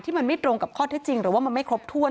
มันไม่ตรงกับข้อเท็จจริงหรือว่ามันไม่ครบถ้วน